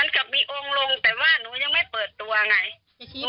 น้องชมพู่เป็นยังไงยังไงจะตายยังไงไม่เชื่อก็ไม่ลบหรูใช่ไหม